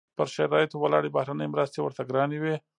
پر شرایطو ولاړې بهرنۍ مرستې ورته ګرانې وې.